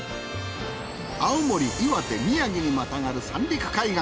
青森岩手宮城にまたがる三陸海岸。